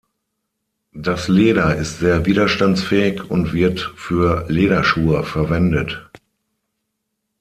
Das Leder ist sehr widerstandsfähig und wird für Lederschuhe verwendet.